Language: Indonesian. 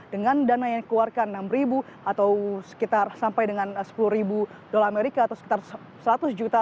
dengan dana yang dikeluarkan enam ribu atau sekitar sampai dengan sepuluh ribu dolar amerika atau sekitar seratus juta